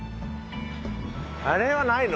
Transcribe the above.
あれはないの？